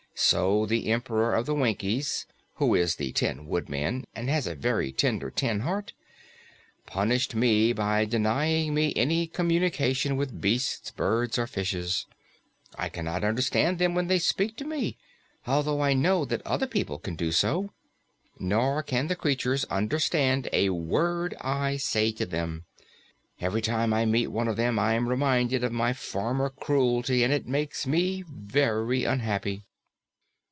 So the Emperor of the Winkies who is the Tin Woodman and has a very tender tin heart punished me by denying me any communication with beasts, birds or fishes. I cannot understand them when they speak to me, although I know that other people can do so, nor can the creatures understand a word I say to them. Every time I meet one of them, I am reminded of my former cruelty, and it makes me very unhappy."